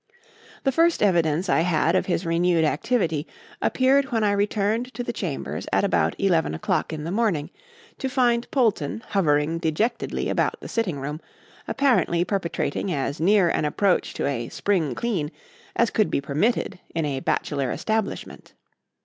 The first evidence I had of his renewed activity appeared when I returned to the chambers at about eleven o'clock in the morning, to find Polton hovering dejectedly about the sitting room, apparently perpetrating as near an approach to a "spring clean" as could be permitted in a bachelor establishment.